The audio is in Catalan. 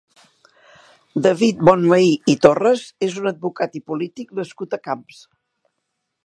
David Bonvehí i Torras és un advocat i polític nascut a Camps.